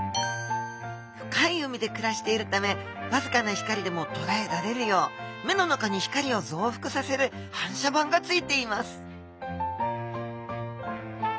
深い海で暮らしているためわずかな光でもとらえられるよう目の中に光を増幅させる反射板がついています